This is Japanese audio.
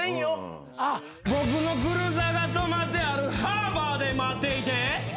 僕のクルーザーが泊まってはるハーバーで待っていて。